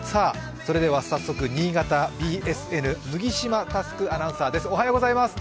早速、新潟ＢＳＮ、麦島侑アナウンサーです。